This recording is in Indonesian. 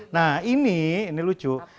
nah ini ini lucu